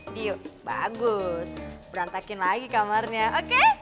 diu bagus berantakin lagi kamarnya oke